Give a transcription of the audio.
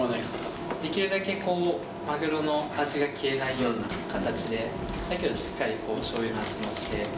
できるだけマグロの味が消えないような形で、だけどしっかりしょうゆの味もして。